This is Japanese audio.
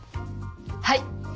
はい！